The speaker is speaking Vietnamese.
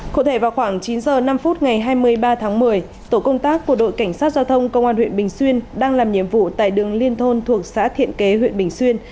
cụ thể vào khoảng chín h năm ngày hai mươi ba tháng một mươi tổ công tác của đội cảnh sát giao thông công an huyện bình xuyên đang làm nhiệm vụ tại đường liên thôn thuộc xã thiện kế huyện bình xuyên